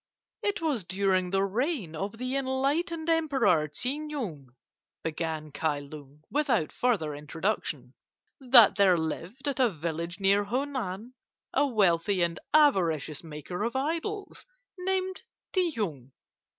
"It was during the reign of the enlightened Emperor Tsing Nung," began Kai Lung, without further introduction, "that there lived at a village near Honan a wealthy and avaricious maker of idols, named Ti Hung.